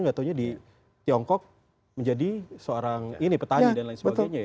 tidak tahunya di tiongkok menjadi seorang petani dan lain sebagainya ya